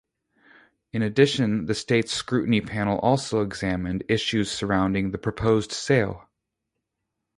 In addition the States' Scrutiny Panel also examined the issues surrounding the proposed sale.